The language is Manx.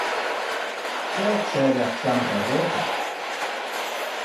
C'raad share lhiat kionnaghey riojag?